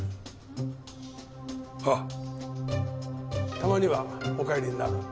たまにはお帰りになる？